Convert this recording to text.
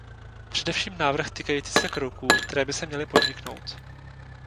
Především návrh týkající se kroků, které by se měly podniknout.